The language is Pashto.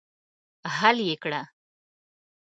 حل یې کړه.